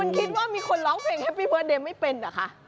คุณคิดว่ามีคนร้องเพลงแฮปปี้เบิร์เดย์ไม่เป็นเหรอคะ